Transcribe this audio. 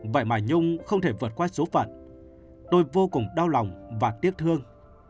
vậy mà nhung không thể vượt qua số phận tôi vô cùng đau lòng và tiếc thương